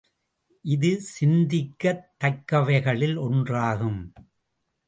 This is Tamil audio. இது சிந்திக்கத் தக்கவைகளில் ஒன்றாகும்.